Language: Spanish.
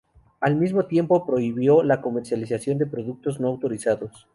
Al mismo tiempo prohibió la comercialización de productos no autorizados.